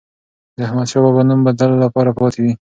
د احمدشاه بابا نوم به د تل لپاره پاتې وي.